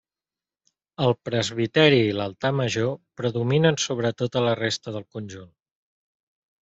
El presbiteri i l'altar major predominen sobre tota la resta del conjunt.